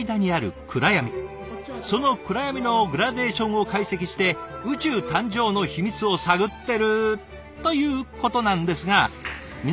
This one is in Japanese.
その暗闇のグラデーションを解析して宇宙誕生の秘密を探ってるということなんですが皆さん分かります？